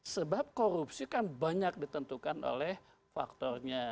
sebab korupsi kan banyak ditentukan oleh faktornya